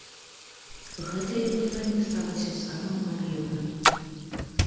Гэтае выданне сталася самым аб'ёмным.